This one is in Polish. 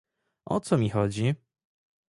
O co mi chodzi?